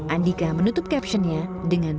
andika menutup captionnya dengan